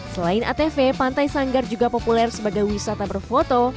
selain atv pantai sanggar juga populer sebagai wisata berfoto